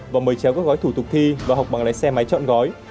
và mời chéo các gói thủ tục thi và học bằng lái xe máy chọn gói